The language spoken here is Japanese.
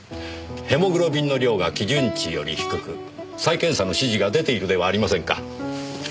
ヘモグロビンの量が基準値より低く再検査の指示が出ているではありませんか。